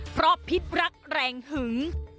เพราะพิษรักแรงหึง